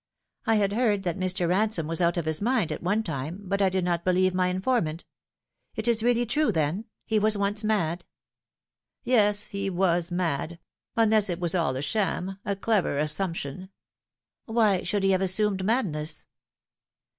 I had heard that Mr. Ransome was out of his mind at one time, but I did not believe my informant. It is really true, then? He was once mad ?"" Yes, he was mad ; unless it was all a sham, a clever assump tion." " Why should he have assumed madness